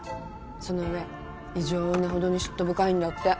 その上異常なほどに嫉妬深いんだって。